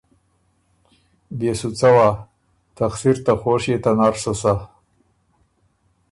بيې سو څوا، ته خسِر ته خوشيې ته نر سُو سۀ۔